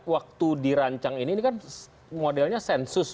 waktu dirancang ini ini kan modelnya sensus